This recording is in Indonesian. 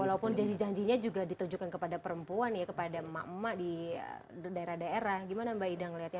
walaupun janjinya juga ditunjukkan kepada perempuan ya kepada emak emak di daerah daerah gimana mbak ida melihat ya